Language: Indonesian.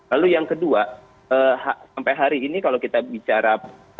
lalu yang kedua sampai hari ini kalau kita bicara